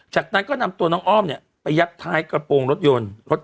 จากนั้นก็นำตัวน้องอ้อมเนี่ยไปยัดท้ายกระโปรงรถยนต์